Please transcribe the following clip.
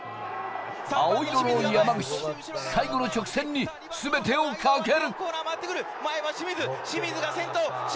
青色の山口、最後の直線に全てをかける。